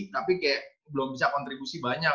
tapi kayak belum bisa kontribusi banyak